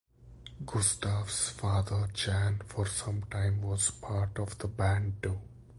Gustaf's father Jan for some time was part of the band too.